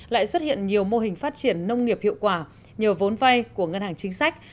lại xuất hiện nhiều mô hình phát triển nông nghiệp hiệu quả nhờ vốn vay của ngân hàng chính sách